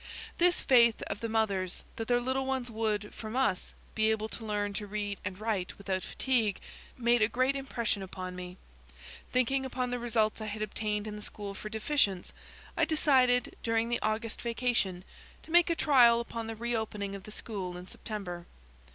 This faith of the mothers, that their little ones would, from us, be able to learn to read and write without fatigue, made a great impression upon me. Thinking upon the results I had obtained in the school for deficients, I decided during the August vacation to make a trial upon the reopening of the school in September.